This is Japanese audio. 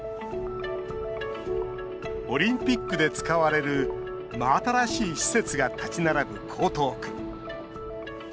オリンピックで使われる真新しい施設が建ち並ぶ江東区。